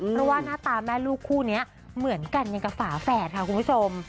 เพราะว่าหน้าตาแม่ลูกคู่นี้เหมือนกันอย่างกับฝาแฝดค่ะคุณผู้ชม